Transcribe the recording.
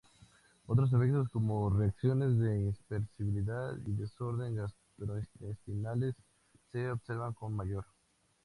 Otros efectos, como reacciones de hipersensibilidad y desórdenes gastrointestinales, se observan con mayor frecuencia.